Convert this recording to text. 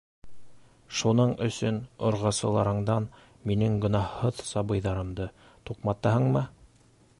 Шуның өсөн орғасыларыңдан минең гонаһһыҙ сабыйҙарымды туҡматаһыңмы?